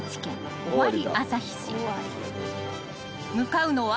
［向かうのは］